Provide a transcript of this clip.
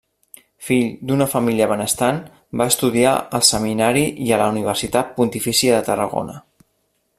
Fill d'una família benestant, va estudiar al Seminari i a la Universitat Pontifícia de Tarragona.